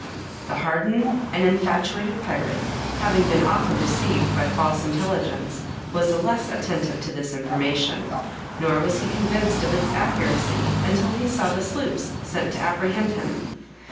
The hardened and infatuated pirate, having been often deceived by false intelligence, was the less attentive to this information, nor was he convinced of its accuracy until he saw the sloops sent to apprehend him.